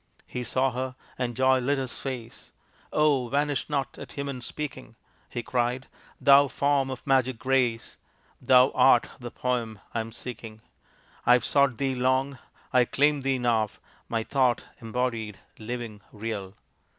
He saw her, and joy lit his face, "Oh, vanish not at human speaking," He cried, "thou form of magic grace, Thou art the poem I am seeking. "I've sought thee long! I claim thee now My thought embodied, living, real."